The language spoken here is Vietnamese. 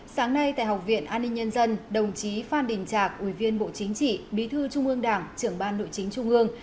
sáng nay tại học viện an ninh nhân dân đồng chí phan đình trạc ủy viên bộ chính trị bí thư trung ương đảng trưởng ban nội chính trung ương